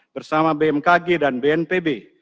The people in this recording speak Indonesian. bersama bmkg dan bnpb